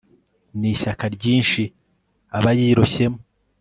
n'ishyaka ryinshi aba yiroshyemo